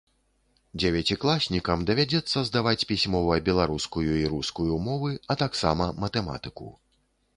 Дзевяцікласнікам давядзецца здаваць пісьмова беларускую і рускую мовы, а таксама матэматыку.